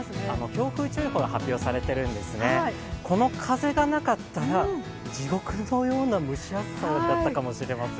強風注意報が発表されているんですね、この風がなかったら、地獄のような蒸し暑さだったかもしれません。